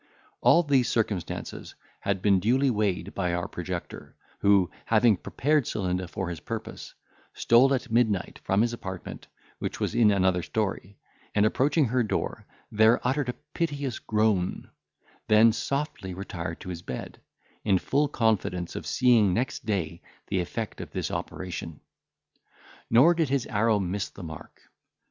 All these circumstances had been duly weighed by our projector, who, having prepared Celinda for his purpose, stole at midnight from his apartment, which was in another storey, and approaching her door, there uttered a piteous groan; then softly retired to his bed, in full confidence of seeing next day the effect of this operation. Nor did his arrow miss the mark.